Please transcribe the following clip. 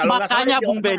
makanya bung beni